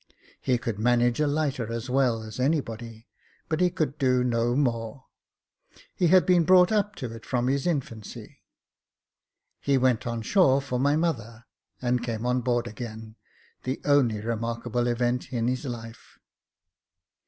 He could manage a lighter as well as any body ; but he could do no more. He had been brought up to it from his infancy. He went on shore for my mother, and came on board again — the only remarkable event in his life.